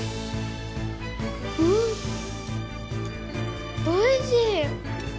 んおいしい！